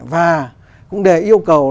và cũng đề yêu cầu